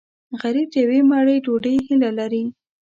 غریب د یوې مړۍ ډوډۍ هیله لري